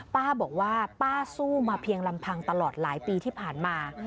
ป้าบอกว่าป้าสู้มาเพียงลำพังตลอดหลายปีที่ผ่านมา